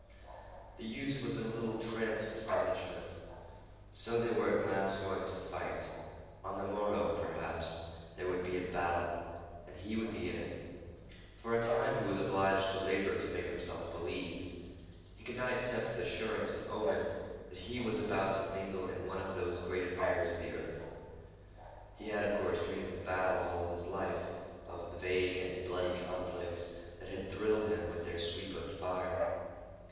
The youth was in a little trance of astonishment. So they were at last going to fight. On the morrow, perhaps, there would be a battle, and he would be in it. For a time he was obliged to labor to make himself believe. He could not accept with assurance an omen that he was about to mingle in one of those great affairs of the earth. He had, of course, dreamed of battles all his life—of vague and bloody conflicts that had thrilled him with their sweep and fire.